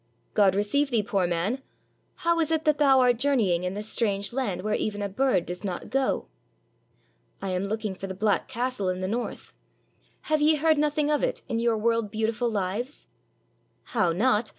"God receive thee, poor man; how is it that thou art journeying in this strange land where even a bird does not go?" "I am looking for the black castle in the north. Have ye heard nothing of it in your world beautiful lives?" "How not